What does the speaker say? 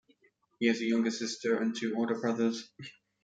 He has a younger sister and two older brothers.